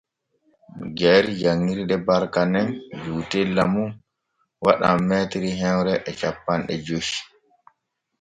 Jayri janŋirde Barka nen juutella mum waɗan m hemre e cappanɗe joy.